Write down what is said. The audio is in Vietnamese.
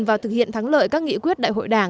và thực hiện thắng lợi các nghị quyết đại hội đảng